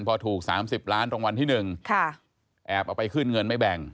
พอถูก๓๐ล้านรางวัลที่๑แอบเอาไปขึ้นเงินไม่แบ่ง